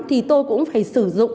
thì tôi cũng phải sử dụng